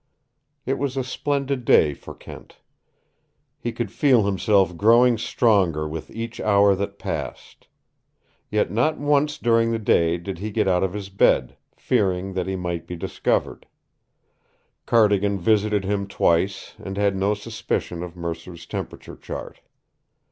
It was a splendid day for Kent. He could feel himself growing stronger with each hour that passed. Yet not once during the day did he get out of his bed, fearing that he might be discovered. Cardigan visited him twice and had no suspicion of Mercer's temperature chart.